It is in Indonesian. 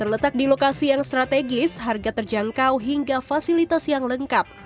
terletak di lokasi yang strategis harga terjangkau hingga fasilitas yang lengkap